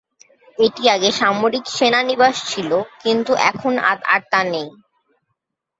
এটি আগে সামরিক সেনানিবাস ছিল, কিন্তু এখন আর তা নেই।